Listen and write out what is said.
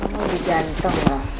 lu digantung loh